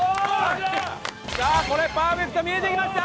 さあこれパーフェクト見えてきました！